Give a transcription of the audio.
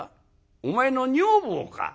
お前の女房か！